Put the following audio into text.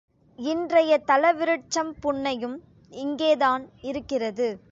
இன்றைய தலவிருட்சம் புன்னையும் இங்கே தான் இருக்கிறது.